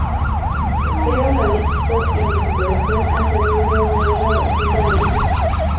Era un adicto en recuperación, al salir de una vida adolescente muy difícil.